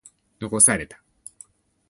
残された。